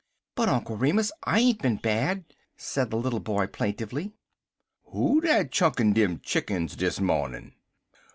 "But, Uncle Remus, I ain't bad," said the little boy plaintively. "Who dat chunkin' dem chickens dis mawnin?